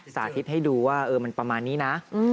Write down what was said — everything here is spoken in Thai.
สาธิตให้ดูว่ามันประมาณนี้นะ